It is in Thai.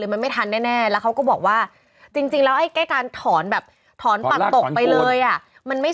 มันไม่ทันแน่แล้วเขาก็บอกว่า